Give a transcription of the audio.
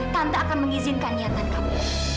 tanpa akan mengizinkan niatan kamu